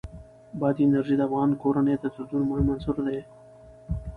بادي انرژي د افغان کورنیو د دودونو مهم عنصر دی.